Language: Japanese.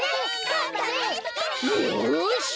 よし。